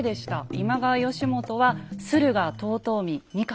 今川義元は駿河遠江三河。